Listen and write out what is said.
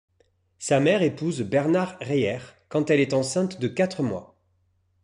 Sa mère épouse Bernard Reiher quand elle est enceinte de quatre mois.